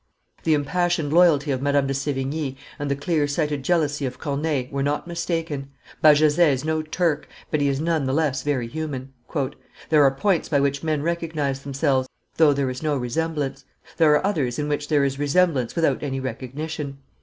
The impassioned loyalty of Madame de Sevigne, and the clear sighted jealousy of Corneille, were not mistaken; Bajazet is no Turk, but he is none the less very human. "There are points by which men recognize themselves, though there is no resemblance; there are others in which there is resemblance without any recognition.